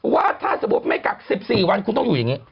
ว่าถ้าสมมุติไม่กัก๑๔วันคุณต้องอยู่อย่างนี้